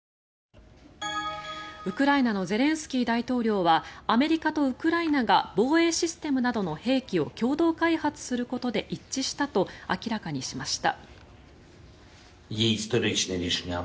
ウクライナのゼレンスキー大統領はアメリカとウクライナが防衛システムなどの兵器を共同開発することで一致したと明らかにしました。